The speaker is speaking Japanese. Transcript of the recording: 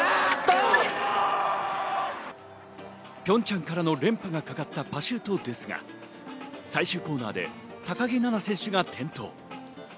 ピョンチャンからの連覇がかかったパシュートですが、最終コーナーで高木菜那選手が転倒。